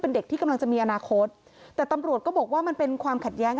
เป็นเด็กที่กำลังจะมีอนาคตแต่ตำรวจก็บอกว่ามันเป็นความขัดแย้ง